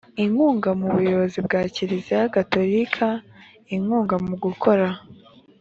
imungu mu buyobozi bwa kiliziya gatolika inkunga mu gukora